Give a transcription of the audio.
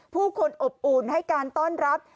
ผู้คนอบอุ่นให้การต้อนรับ